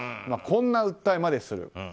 こんな訴えまでする。